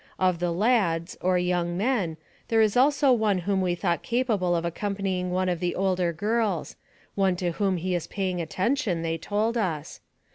Of the lads, or young men, there is also one whom we thought capable of accompanying one of the older girls one to whom he is paying attention, they told us.